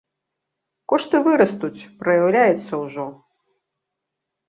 Кошты вырастуць, праяўляецца ўжо.